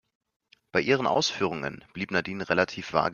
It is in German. Bei ihren Ausführungen blieb Nadine relativ vage.